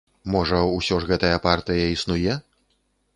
Можа, усё ж гэтая партыя існуе?